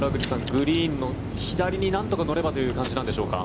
グリーンの左になんとか乗ればという感じなんでしょうか。